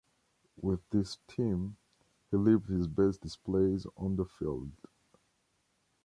With this team, he lived his best displays on the field.